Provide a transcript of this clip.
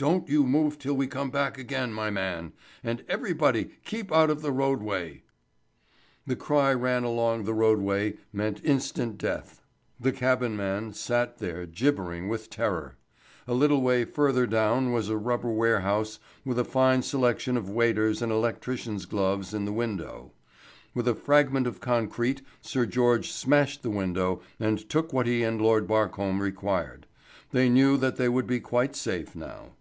"Don't you move till we come back again, my man. And everybody keep out of the roadway." The cry ran along that the roadway meant instant death. The cabman sat there gibbering with terror. A little way further down was a rubber warehouse, with a fine selection of waders' and electricians' gloves in the window. With a fragment of concrete Sir George smashed in the window, and took what he and Lord Barcombe required. They knew that they would be quite safe now.